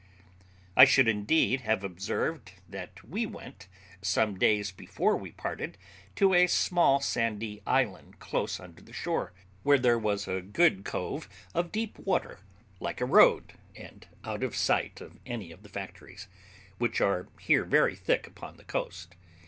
I should, indeed, have observed, that we went, some days before we parted, to a small sandy island close under the shore, where there was a good cove of deep water, like a road, and out of sight of any of the factories, which are here very thick upon the coast.